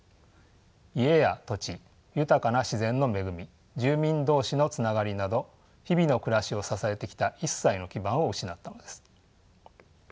家や土地豊かな自然の恵み住民同士のつながりなど日々の暮らしを支えてきた一切の基盤を失ったのです。